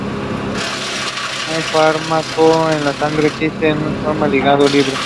Un fármaco en la sangre existe en dos formas: ligado o libre.